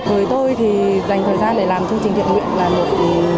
với tôi thì dành thời gian để làm chương trình thiện nguyện là một